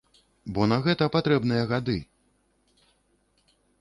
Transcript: Бо на гэта патрэбныя гады.